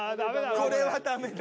これはダメだ。